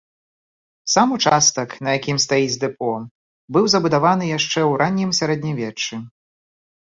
Сам участак, на якім стаіць дэпо, быў забудаваны яшчэ ў раннім сярэднявеччы.